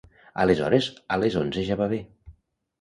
Aleshores a les onze ja va bé.